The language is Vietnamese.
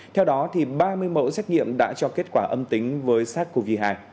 theo đó ba mươi mẫu xét nghiệm đã cho kết quả âm tính với sars cov hai